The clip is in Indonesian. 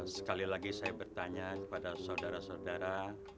sekali lagi saya bertanya kepada saudara saudara